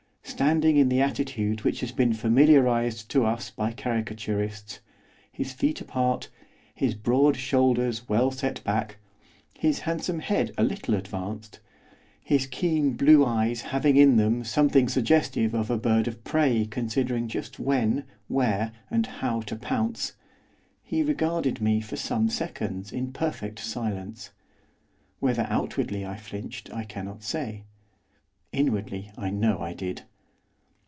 Standing in the attitude which has been familiarised to us by caricaturists, his feet apart, his broad shoulders well set back, his handsome head a little advanced, his keen blue eyes having in them something suggestive of a bird of prey considering just when, where, and how to pounce, he regarded me for some seconds in perfect silence, whether outwardly I flinched I cannot say; inwardly I know I did.